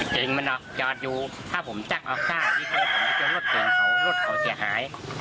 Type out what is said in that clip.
จริงมันเจาะอยู่ถ้าผมจักรอดยิ้มตัวหาดไปจนรถเพลงเขาสี่หาย